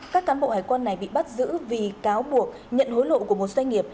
các cán bộ hải quan này bị bắt giữ vì cáo buộc nhận hối lộ của một doanh nghiệp